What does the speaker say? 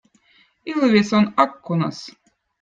ilvez on akkunõz